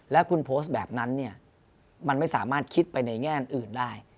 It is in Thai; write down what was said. แล้วคุณโพสต์แบบนั้นเนี่ยมันไม่สามารถคิดไปในแง่อื่นได้